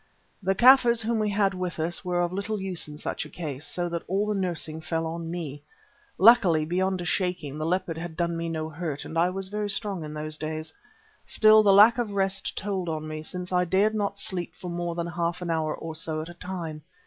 The Kaffirs whom we had with us were of little use in such a case, so that all the nursing fell on me. Luckily, beyond a shaking, the leopard had done me no hurt, and I was very strong in those days. Still the lack of rest told on me, since I dared not sleep for more than half an hour or so at a time.